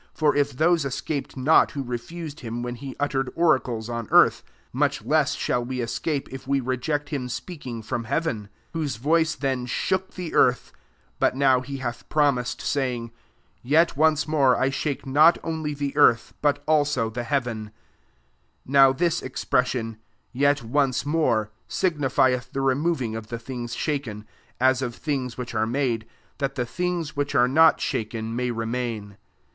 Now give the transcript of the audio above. For if those ^aped not who refused him rhen he uttered oracles on iartby much less shall ^e escafiej f .we reject him speaking from Heaven; 26 whose voice then hook the earth: but now he Ath promised, saying, *< Yet »nce more I shake not only the tarth, but also the heaven, "f J7 Now this ^xpreaaiotiy " Yet aice more," signifieth the re noving of the things shaken, i8 of Uiings which are made, hat the things wh^ch are not haken may remain.